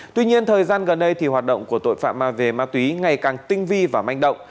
tuy nhiên thời gian gần đây hoạt động của tội phạm ma về ma túy ngày càng tinh vi và manh động